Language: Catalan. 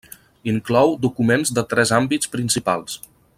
Inclou documents de tres àmbits principals.